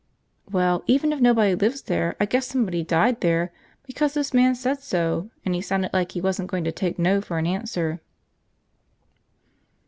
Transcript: "Well, even if nobody lives there, I guess somebody died there because this man said so and he sounded like he wasn't going to take no for an answer."